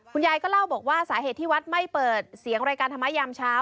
คุณยายก็เล่าบอกว่าสาเหตุที่วัดไม่เปิดเสียงรายการธรรมะยามเช้า